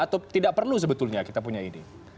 atau tidak perlu sebetulnya kita punya ini